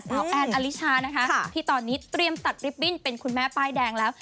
แอนอลิชานะคะที่ตอนนี้เตรียมตัดริบบิ้นเป็นคุณแม่ป้ายแดงแล้ว